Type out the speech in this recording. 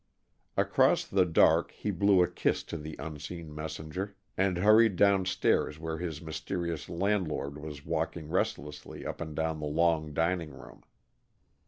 Across the dark he blew a kiss to the unseen messenger, and hurried downstairs where his mysterious landlord was walking restlessly up and down the long dining room.